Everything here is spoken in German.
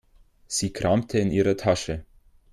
Sie kramte in ihrer Tasche.